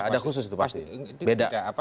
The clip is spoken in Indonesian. ada khusus itu pasti